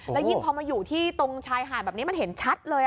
แล้วยิ่งพอมาอยู่ที่ตรงชายหาดแบบนี้มันเห็นชัดเลย